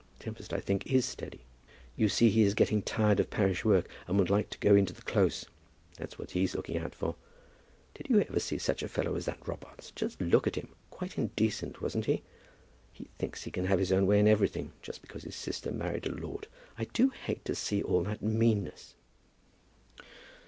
Tempest, I think, is steady. You see he is getting tired of parish work, and would like to go into the close. That's what he is looking out for. Did you ever see such a fellow as that Robarts, just look at him; quite indecent, wasn't he? He thinks he can have his own way in everything, just because his sister married a lord. I do hate to see all that meanness."